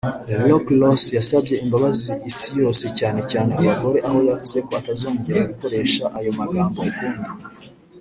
Rick Ross yasabye imbabazi isi yose cyane cyane abagore aho yavuze ko atazongera gukoresha aya magambo ukundi